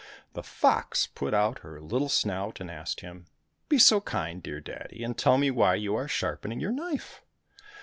The fox put out her little snout and asked him, "Be so kind, dear daddy, and tell me why you are sharpening your knife